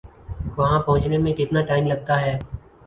وہاں پہنچنے میں کتنا ٹائم لگتا ہے؟